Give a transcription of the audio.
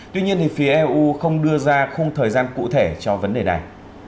tuy nhiên phía eu không đưa ra khung thời gian cụ thể cho vấn đề này